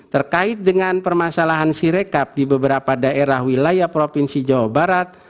terkait dengan permasalahan sirekap di beberapa daerah wilayah provinsi jawa barat